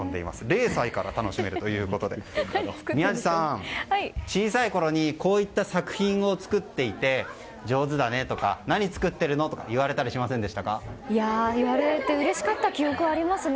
０歳から楽しめるということで宮司さん、小さいころにこういった作品を作っていて上手だねとか何、作ってるの？とか言われてうれしかった記憶はありますね。